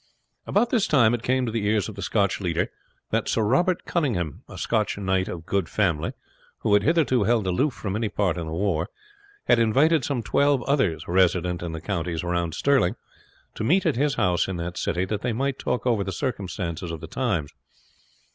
About this time it came to the ears of the Scotch leader that Sir Robert Cunninghame, a Scotch knight of good family, who had hitherto held aloof from any part in the war, had invited some twelve others resident in the counties round Stirling, to meet at his house in that city that they might talk over the circumstances of the times.